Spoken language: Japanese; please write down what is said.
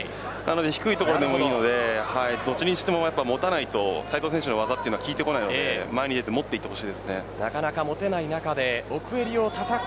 低いところでもいいのでどちらにしても持たないと斉藤選手の技は効かなくなるのでどんどん奥を持ってほしいです。